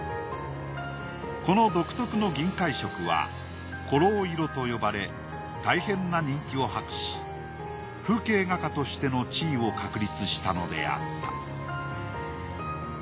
この独特の銀灰色はコロー色と呼ばれたいへんな人気を博し風景画家としての地位を確立したのであった。